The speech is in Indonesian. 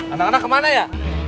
anak anak kemana ya